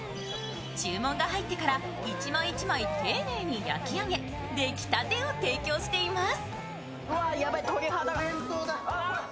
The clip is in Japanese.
注文が入ってから１枚１枚丁寧に焼き上げ出来立てを提供しています。